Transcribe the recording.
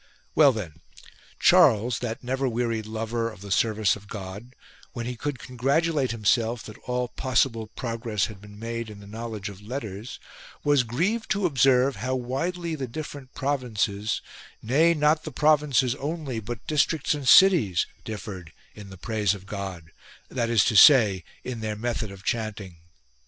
Well then, Charles, that never wearied lover of the service of God, when he could con gratulate himself that all possible progress had been made in the knowledge of letters, was grieved to observe how widely the different provinces — nay, not the provinces only but districts and cities — differed in the praise of God, that is to say in their method of chanting.